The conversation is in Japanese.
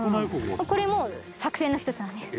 これも作戦の一つなんです。